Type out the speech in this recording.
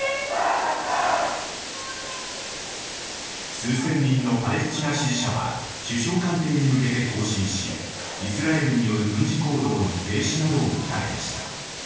数千人のパレスチナ支持者は首相官邸に向けて行進しイスラエルによる軍事行動の停止などを訴えました。